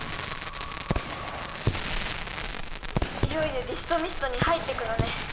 いよいよディストミストに入っていくのね。